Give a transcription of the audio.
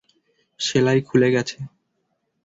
সেলাই খুলে গেছে।